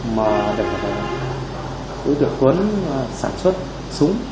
mà đối tượng tuấn sản xuất súng